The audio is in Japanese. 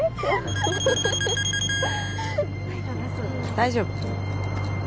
大丈夫